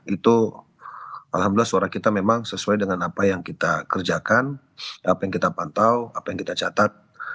itu alhamdulillah suara kita memang sesuai dengan apa yang kita kerjakan apa yang kita pantau apa yang kita catat